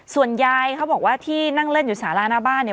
ส่วนยายเขาบอกว่าที่นั่งเล่นอยู่สาราหน้าบ้านเนี่ย